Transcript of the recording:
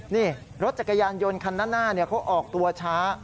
นี่รถจักรยานยนต์คันด้านหน้าเขาออกตัวช้า